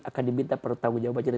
akan diminta pertanggung jawab aja